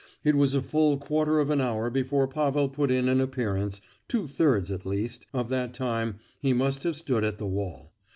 It was a full quarter of an hour before Pavel put in an appearance, two thirds, at least, of that time he must have stood at the wall.